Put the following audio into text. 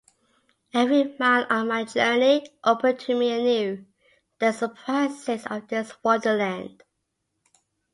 Every mile of my journey opened to me anew the surprises of this wonderland.